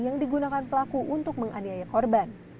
yang digunakan pelaku untuk menganiaya korban